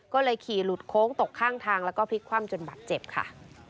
ก็เลยขี่หลุดโค้งตกข้างทางแล้วก็พลิกคว่ำจนบัตรเจ็บค่ะ